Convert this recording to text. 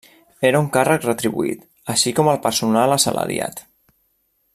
Era un càrrec retribuït, així com el personal assalariat.